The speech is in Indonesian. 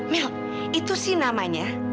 mel itu sih namanya